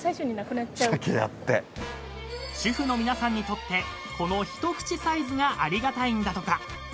［主婦の皆さんにとってこの一口サイズがありがたいんだとか］